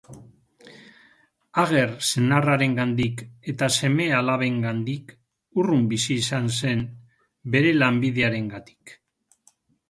Ager senarrarengandik eta seme-alabengandik urrun bizi izan zen bere lanbidearengatik.